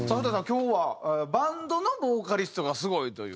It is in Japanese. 今日はバンドのボーカリストがスゴい！という。